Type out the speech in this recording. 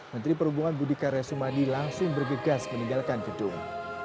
menteri perhubungan budi karya sumadi langsung bergegas meninggalkan gedung